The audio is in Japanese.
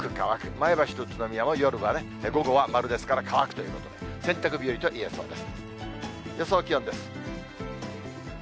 前橋と宇都宮も夜は午後は丸ですから、乾くということで、洗濯日和と言えそうです。